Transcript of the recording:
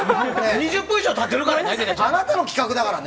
２０分以上経ってるからね。